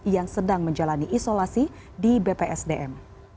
yang sedang menjalani isolasi di bpsdm